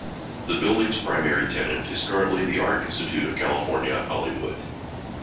The building's primary tenant is currently the Art Institute of California-Hollywood.